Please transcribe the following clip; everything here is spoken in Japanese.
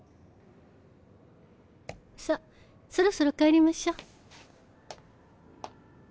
さっそろそろ帰りましょ。